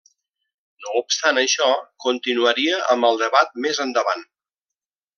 No obstant això, continuaria amb el debat més endavant.